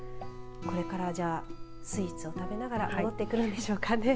これから、じゃあスイーツを食べながら戻ってくるんでしょうかね。